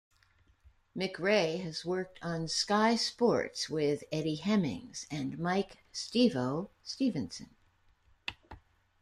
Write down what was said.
McRae has worked on Sky Sports with Eddie Hemmings and Mike 'Stevo' Stephenson.